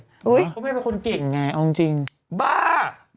เพราะแม่เป็นคนเก่งไงเอาจริงบ้า